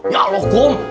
ya allah akom